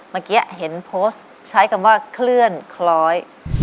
เมื่อกี้เห็นโพสต์ใช้คำว่าเคลื่อนคล้อย